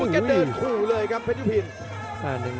แกเดินขู่เลยครับเพชรุพิน